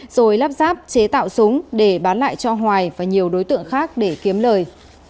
rồi lắp ráp chế tạo súng để bán lại cho hoài và nhiều đối tượng khác để kiếm lời